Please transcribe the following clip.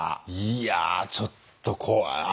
いやあちょっと怖い。